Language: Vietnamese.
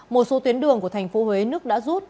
một số tuyến đường của thành phố huế nước đã rút